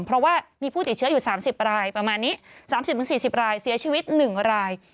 เพราะว่ามีผู้ติดเชื้ออยู่๓๐รายประมาณนี้๓๐๔๐รายเสียชีวิต๑ราย